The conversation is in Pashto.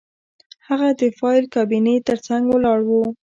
هغه د فایل کابینې ترڅنګ ولاړ و